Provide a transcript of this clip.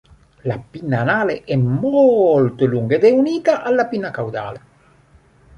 La pinna anale è molto lunga ed è unita alla pinna caudale.